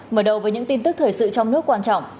mở đầu với những tin tức thời sự trong nước quan trọng